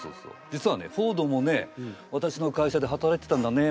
実はねフォードもねわたしの会社で働いてたんだね